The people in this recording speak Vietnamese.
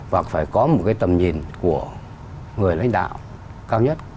và phải có một cái tầm nhìn của người lãnh đạo cao nhất